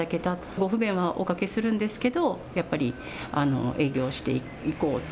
ご不便はおかけするんですけれどもやっぱり影響していこう。